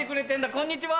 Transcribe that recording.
こんにちは。